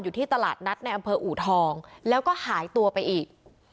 ที่ตลาดนัดในอำเภออูทองแล้วก็หายตัวไปอีก